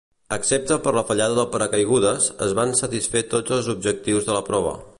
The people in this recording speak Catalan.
Excepte per la fallada del paracaigudes, es van satisfer tots els objectius de la prova.